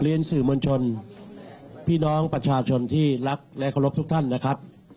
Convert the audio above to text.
ลินสิอิมนต์ชนพี่น้องปัชฌาชนที่รักและโครบทุกท่านนะครับ